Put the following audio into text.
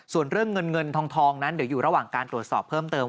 ส่วนเรื่องเงินเงินทองนั้นเดี๋ยวอยู่ระหว่างการตรวจสอบเพิ่มเติม